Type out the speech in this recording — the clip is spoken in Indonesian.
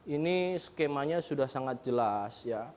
ini skemanya sudah sangat jelas ya